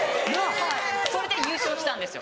はいそれで優勝したんですよ。